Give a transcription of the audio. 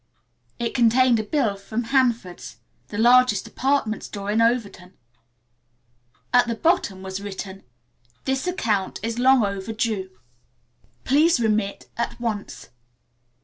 It contained a bill from Hanford's, the largest department store in Overton. At the bottom was written. "This account is long overdue. Please remit at once."